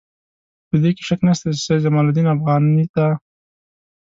په دې کې شک نشته چې سید جمال الدین افغاني ته.